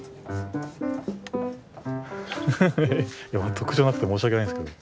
特徴なくて申し訳ないんですけど。